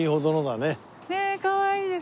ねえかわいいです。